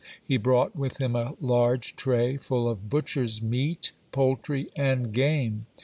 He brought with him a large tray full of butcher's meat, poultry, and game.